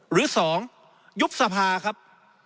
หรือ๒ยุบสภาครับ